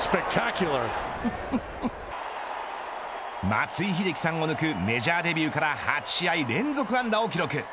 松井秀喜さんを抜くメジャーデビューから８試合連続安打を記録。